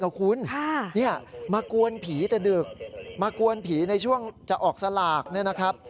แล้วคุณมากวนผีแต่ดึกมากวนผีในช่วงจะออกสลากเนี่ยนะครับ